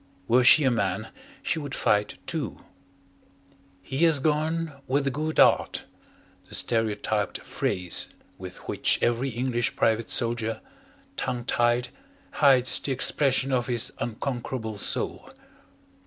Were she a man she would fight too. He has gone "with a good 'eart" the stereotyped phrase with which every English private soldier, tongue tied, hides the expression of his unconquerable soul.